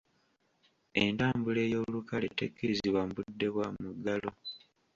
Entambula ey'olukale tekkirizibwa mu budde bwa muggalo.